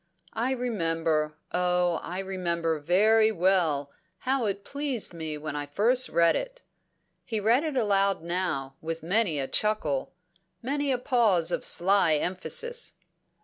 I remember, oh I remember very well, how it pleased me when I first read it." He read it aloud now, with many a chuckle, many a pause of sly emphasis.